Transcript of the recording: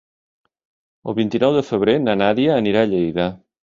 El vint-i-nou de febrer na Nàdia anirà a Lleida.